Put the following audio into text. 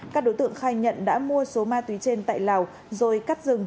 các đối tượng khai nhận đã mua số ma túy trên tại lào rồi cắt rừng